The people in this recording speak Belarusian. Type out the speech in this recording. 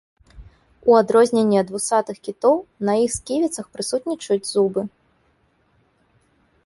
У адрозненні ад вусатых кітоў на іх сківіцах прысутнічаюць зубы.